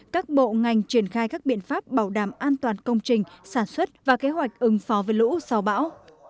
các bộ ngành triển khai các biện pháp bảo đảm an toàn công trình sản xuất và kế hoạch ứng phó với lũ sau bão